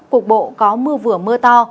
cục bộ có mưa vừa mưa to